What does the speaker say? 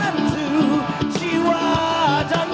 tak menentu jiwa dan batiku